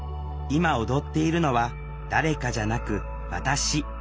今踊っているのは誰かじゃなく私。